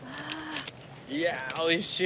いやおいしい。